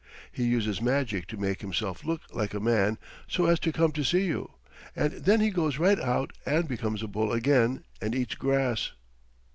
He uses magic to make himself look like a man so as to come to see you, and then he goes right out and becomes a bull again and eats grass."